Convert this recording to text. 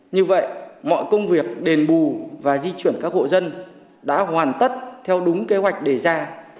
như vậy mọi công việc đền bù và di chuyển các hộ dân đã hoàn tất theo đúng kế hoạch đề ra